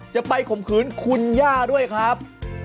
ข่มขืนคุณย่าด้วยครับ